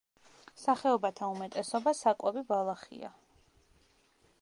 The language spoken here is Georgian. სახეობათა უმეტესობა საკვები ბალახია.